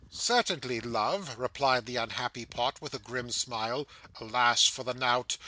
'Certainly love,' replied the unhappy Pott, with a grim smile. Alas for the knout!